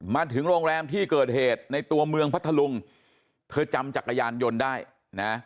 มาถึงโรงแรมที่เกิดเหตุในตัวเมืองพัทธลุงเธอจำจักรยานยนต์ได้นะ